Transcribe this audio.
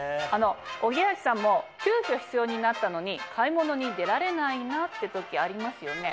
おぎやはぎさんも急きょ必要になったのに買い物に出られないなって時ありますよね？